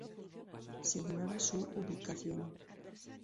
Se ignora su ubicación.